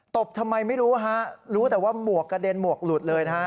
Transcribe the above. บทำไมไม่รู้ฮะรู้แต่ว่าหมวกกระเด็นหมวกหลุดเลยนะฮะ